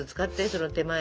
その手前。